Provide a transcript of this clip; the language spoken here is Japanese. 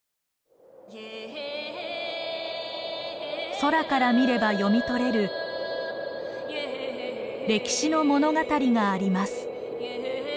空から見れば読み取れる歴史の物語があります。